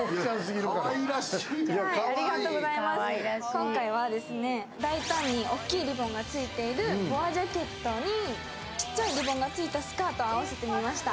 今回は大胆に大きいリボンがついているボアジャケットにちっちゃいリボンがついたスカートを合わせてみました。